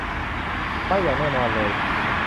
ไม่อย่างแน่นอนเลย